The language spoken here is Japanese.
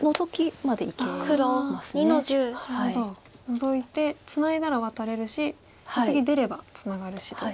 ノゾいてツナいだらワタれるし次出ればツナがるしと。